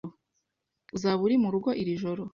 Uzaba uri murugo iri joro?